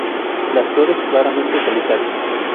Las flores raramente solitarias.